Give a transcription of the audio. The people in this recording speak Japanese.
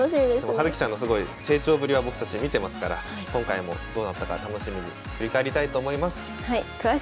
葉月さんのすごい成長ぶりは僕たち見てますから今回もどうなったか楽しみに振り返りたいと思います。